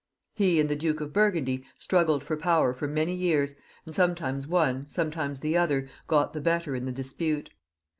He and the Duke of Bur gundy struggled for power for many years, and sometimes one sometimes the other got the better in the dispute.